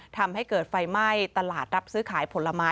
ทำให้เกิดไฟไหม้ตลาดรับซื้อขายผลไม้